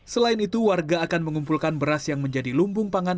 selain itu warga akan mengumpulkan beras yang menjadi lumbung pangan